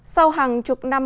sau hàng chục năm